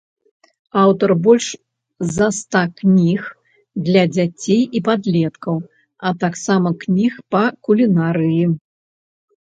Аўтар больш за ста кніг для дзяцей і падлеткаў, а таксама кніг па кулінарыі.